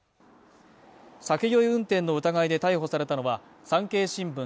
酒酔い運転の疑いで逮捕されたのは「産経新聞」